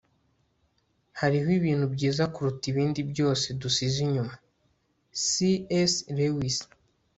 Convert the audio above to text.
hariho ibintu byiza kuruta ibindi byose dusize inyuma - c s lewis